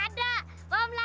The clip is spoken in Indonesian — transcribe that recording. wah disitu konyol banyak